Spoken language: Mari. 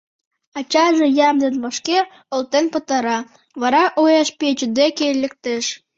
Ачаже ямдым вашке олтен пытара, вара уэш пече деке лектеш.